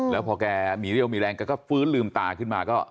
แล้วพอแกมีเรี่ยวมีแรงแกก็ฟื้นลืมตาขึ้นมาก็